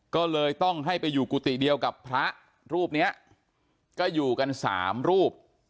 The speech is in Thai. ก็เลยต้องให้ไปอยู่กุฏิเดียวกับพระรูปนี้ก็อยู่กันสามรูป